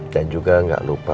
dan juga gak lupa